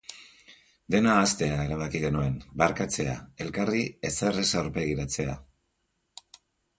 Dena ahaztea erabaki genuen, barkatzea, elkarri ezer ez aurpegiratzea.